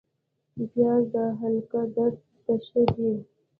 پیاز د حلق درد ته ښه دی